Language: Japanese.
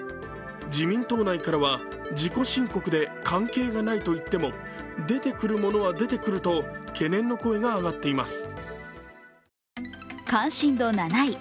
自民党内からは、自己申告で関係がないといっても出てくるものは出てくると懸念の声が上がっています。